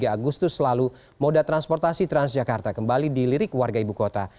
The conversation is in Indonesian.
tiga agustus lalu moda transportasi transjakarta kembali dilirik warga ibu kota